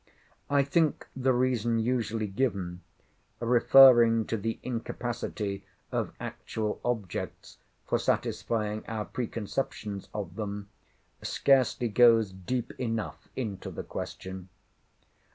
I think the reason usually given—referring to the incapacity of actual objects for satisfying our preconceptions of them—scarcely goes deep enough into the question.